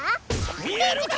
見えるか！